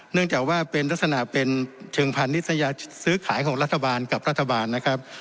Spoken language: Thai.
เนื่องจากว่าราศนาเป็นเฉิงพันธุ์ฎรษะยาศื้อขายของรัฐบาลกับรัฐบาลนะครับ